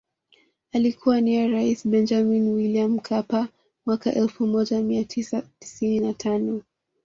Alikuwa nia rais Benjamini Wiliam Mkapa mwaka elfu moja mia tisa tisini na tano